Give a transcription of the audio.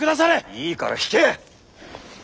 いいから引け！